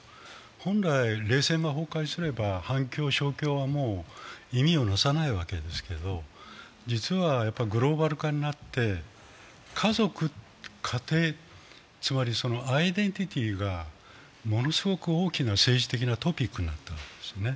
本来冷戦が崩壊すれば反共、勝共は意味をなさないわけですけれども、実は、グローバル化になって家族、家庭、つまりアイデンティティーがものすごく大きな政治的なトピックになっていますね。